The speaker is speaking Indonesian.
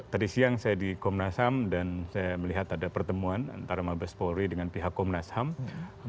tadi siang saya di komnasang dan saya melihat ada pertemuan antara mabes polri dengan pihak komnasang